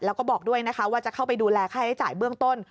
แล้วก็บอกด้วยนะคะว่าจะเข้าไปดูแลค่าใช้จ่ายเบื้องต้น